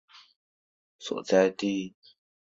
看台亦是电视录影室及球赛评述室的所在地。